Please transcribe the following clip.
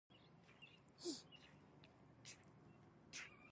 د خوړو مالګه پخه باید معتدله وي.